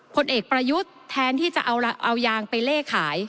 ผลเอกประยุทธ์แทนที่จะเอายางไปเล่ขาย